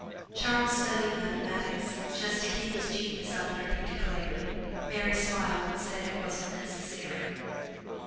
Charles studied mathematics, just to keep his genius under, he declared. Mary smiled and said it wasn't necessary.